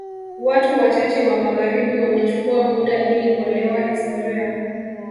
Watu wachache wa magharibi wamechukua muda ili kuelewa historia